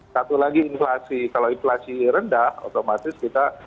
satu lagi inflasi kalau inflasi rendah otomatis kita